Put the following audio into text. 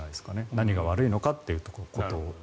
何が悪いのかということを。